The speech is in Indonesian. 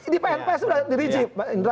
di pnp sudah dirinci